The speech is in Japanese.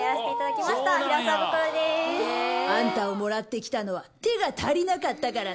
あんたをもらって来たのは手が足りなかったからさ。